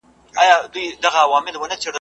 د بادار تر چړې لاندي یې انجام وي `